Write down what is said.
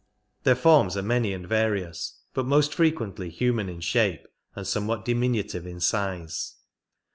Their forms are many and various, but most frequently human in shape and somewhat diminutive in size.